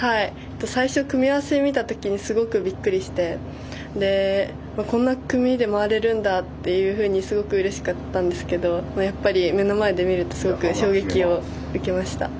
最初、組み合わせを見た時すごくびっくりしてこんな組で回れるんだというふうにすごくうれしかったんですけどやっぱり目の前で見るとすごく衝撃を受けました。